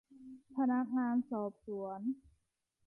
พนักงานสอบสวน